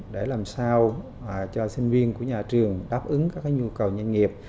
để làm sao cho sinh viên của nhà trường đáp ứng các nhu cầu doanh nghiệp